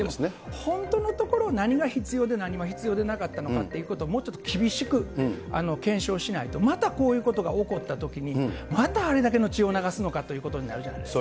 本当のところ、何が必要で、何が必要でなかったのかということをもうちょっと厳しく検証しないと、またこういうことが起こったときに、またあれだけの血を流すのかということになるじゃないですか。